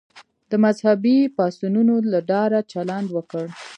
د مذهبي پاڅونونو له ډاره چلند وکړ.